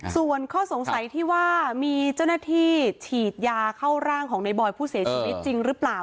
ส่วนข้อสงสัยที่ว่ามีเจ้าหน้าที่ฉีดยาเข้าร่างของในบอยผู้เสียชีวิตจริงหรือเปล่า